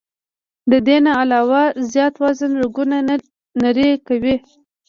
د دې نه علاوه زيات وزن رګونه نري کوي